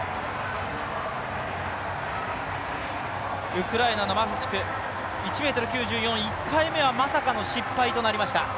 ウクライナのマフチク１ｍ９４、１回目はまさかの失敗となりました。